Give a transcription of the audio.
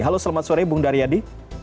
halo selamat sore bung daryadi